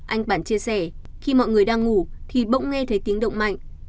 anh bản chia sẻ khi mọi người đang ngủ thì bỗng nghe thấy tiếng động mạnh